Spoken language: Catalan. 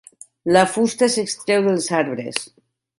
La fusta s'extreu dels arbres.